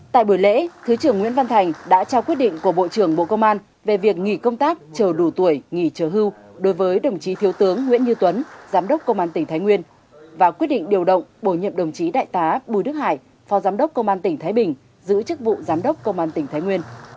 tại buổi lễ thứ trưởng nguyễn văn thành đã trao quyết định của bộ trưởng bộ công an về việc nghỉ công tác chờ đủ tuổi nghỉ trở hưu đối với đồng chí thiếu tướng nguyễn như tuấn giám đốc công an tỉnh thái nguyên và quyết định điều động bổ nhiệm đồng chí đại tá bùi đức hải phó giám đốc công an tỉnh thái bình giữ chức vụ giám đốc công an tỉnh thái nguyên